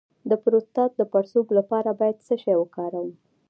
د پروستات د پړسوب لپاره باید څه شی وکاروم؟